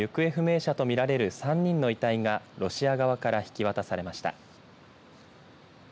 観光船沈没事故の行方不明者と見られる３人の遺体がロシア側から引き渡されました。